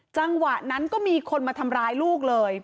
จังหวะนั้นก็มีคนมาทำร้ายลูกเลย